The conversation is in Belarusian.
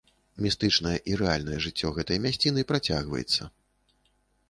Містычнае і рэальнае жыццё гэтай мясціны працягваецца.